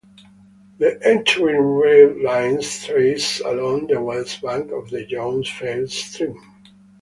The entering rail lines traced along the west bank of the Jones Falls stream.